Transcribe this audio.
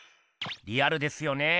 リアルですよねえ。